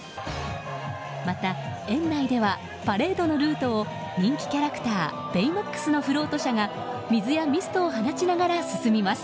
また、園内ではパレードのルートを人気キャラクターベイマックスのフロート車が水やミストを放ちながら進みます。